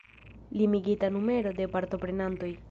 Limigita numero de partoprenantoj.